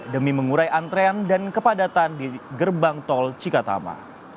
demi mengurai antrean dan kepadatan di gerbang tol cikatama